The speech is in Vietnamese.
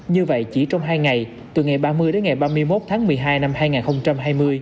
như vậy chỉ trong hai ngày từ ngày ba mươi đến ngày ba mươi một tháng một mươi hai năm hai nghìn hai mươi